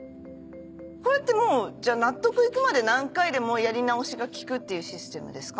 これって納得いくまで何回でもやり直しが利くっていうシステムですか？